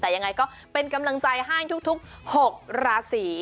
แต่ยังไงก็เป็นกำลังใจให้ทุก๖ราศี